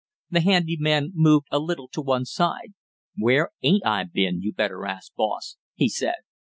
The handy man moved a little to one side. "Where ain't I been, you better ask, boss," he said.